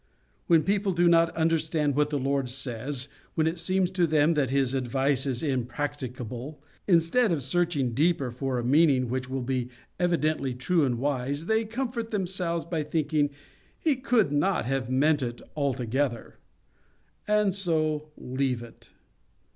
When people do not understand what the Lord says, when it seems to them that His advice is impracticable, instead of searching deeper for a meaning which will be evidently true and wise, they comfort themselves by thinking He could not have meant it altogether, and so leave it.